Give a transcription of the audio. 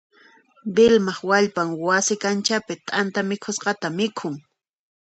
Vilmaq wallpan wasi kanchapi t'anta hak'usqata mikhun.